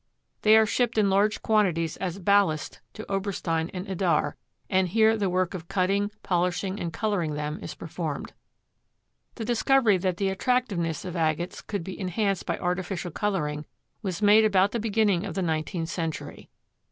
They are shipped in large quantities as ballast to Oberstein and Idar, and here the work of cutting, polishing and coloring them is performed. The discovery that the attractiveness of agates could be enhanced by artificial coloring was made about the beginning of the nineteenth century.